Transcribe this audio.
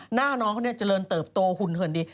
หน้าน้องเขาเนี่ยเจริญเติบโตหุ่นเหินดี